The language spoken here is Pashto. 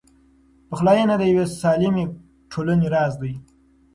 پخلاینه د یوې سالمې ټولنې راز دی.